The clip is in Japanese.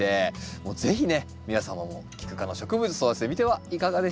もう是非ね皆様もキク科の植物育ててみてはいかがでしょうか？